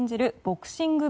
ボクシング